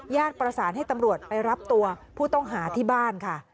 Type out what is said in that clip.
ประสานให้ตำรวจไปรับตัวผู้ต้องหาที่บ้านค่ะ